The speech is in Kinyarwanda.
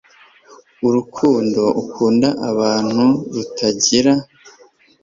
urukundo ukunda abantu, rutugira